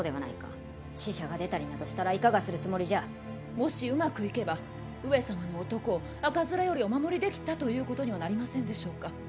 もしうまくいけば上様の男を赤面よりお守りできたということにはなりませんでしょうか。